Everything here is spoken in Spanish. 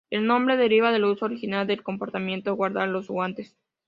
El nombre deriva del uso original del compartimento: guardar los guantes.